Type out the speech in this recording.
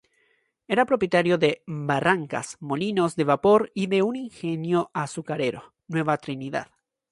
Era propietario de barrancas, molinos de vapor y de un ingenio azucarero, Nueva Trinidad.